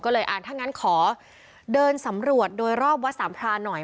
ก็เลยอ่าถ้างั้นขอเดินสำรวจโดยรอบวัดสามพรานหน่อย